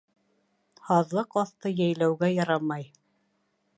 Һаҙлыҡ аҫты йәйләүгә ярамай